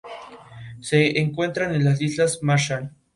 Se encuentran en las Islas Marshall.